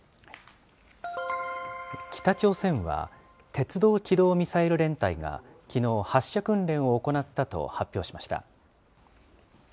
北朝鮮は、鉄道機動ミサイル連隊がきのう、発射訓練を行ったと発表しました。